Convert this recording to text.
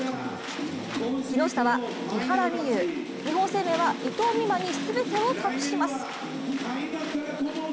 木下は木原美悠、日本生命は伊藤美誠に全てを託します。